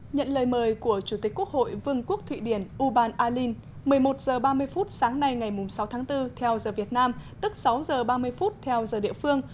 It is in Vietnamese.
nhận lời mời của chủ tịch quốc hội vương quốc thụy điển uban alin một mươi một h ba mươi phút sáng nay ngày sáu tháng bốn theo giờ việt nam tức sáu h ba mươi phút theo giờ địa phương